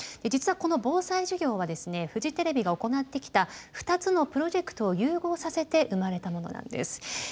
実はこの防災授業はフジテレビが行ってきた２つのプロジェクトを融合させて生まれたものなんです。